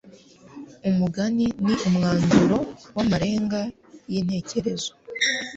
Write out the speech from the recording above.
umugani ni umwanzuro w'amarenga y'intekerezo.